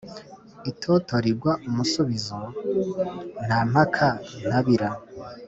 itoto rigwa umusubizo. nta mpaka ntabira